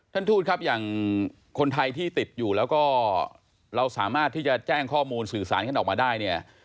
ท่านทูตครับอย่างคนไทยที่ติดอยู่แล้วก็เราสามารถที่จะแจ้งข้อมูลสื่อสารกันออกมาได้เนี่ย